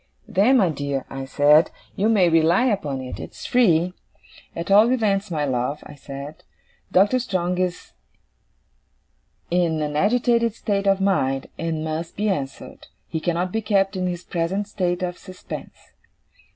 "Then, my dear," I said, "you may rely upon it, it's free. At all events, my love," said I, "Doctor Strong is in an agitated state of mind, and must be answered. He cannot be kept in his present state of suspense."